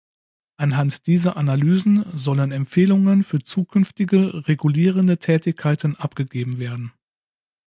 Anhand dieser Analysen sollen Empfehlungen für zukünftige regulierende Tätigkeiten abgegeben werden.